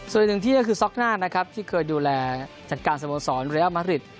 ส่วนอีกหนึ่งที่ก็คือซ็อกน่านะครับที่เคยดูแลจัดการสโมสรเรียลมริต